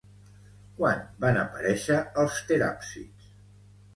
Quan van aparèixer els teràpsids?